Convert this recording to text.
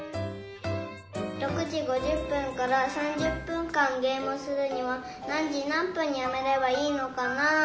６時５０分から３０分間ゲームをするには何時何分にやめればいいのかな？